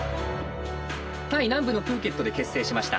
タイ南部のプーケットで結成しました。